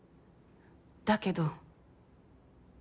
だけど。